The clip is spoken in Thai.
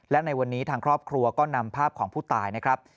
และในวันนี้ทางครอบครัวก็นำภาพของผู้ตายนะครับ